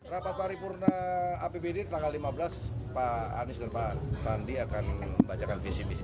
rapat paripurna apbd tanggal lima belas pak anies dan pak sandi akan membacakan visi visi